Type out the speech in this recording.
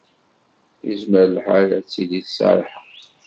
Yezmer lḥal ad tili tesɛa lḥeqq.